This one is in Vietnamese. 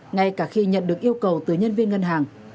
ngay cả khi nhận được yêu cầu từ nhân viên ngân hàng